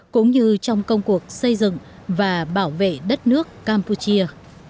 cũng như trong công cuộc xây dựng và bảo vệ đất nước campuchia